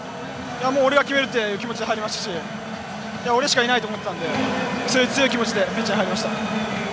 俺が決めるという気持ちで入りましたし俺しかいないという強い気持ちで入りました。